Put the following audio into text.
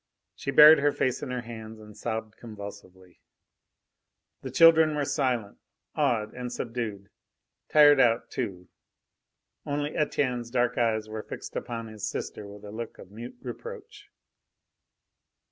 She buried her face in her hands and sobbed convulsively. The children were silent, awed and subdued tired out, too. Only Etienne's dark eyes were fixed upon his sister with a look of mute reproach.